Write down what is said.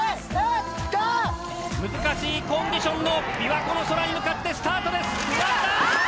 難しいコンディションの琵琶湖の空に向かってスタートです！